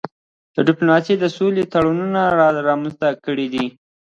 ډيپلوماسي د سولې تړونونه رامنځته کړي دي.